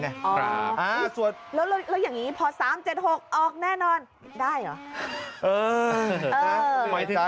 แล้วอย่างนี้พอ๓๗๖ออกแน่นอนได้เหรอ